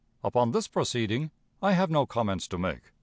Upon this proceeding I have no comments to make.